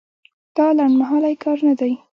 دا لنډمهالی کار نه دی.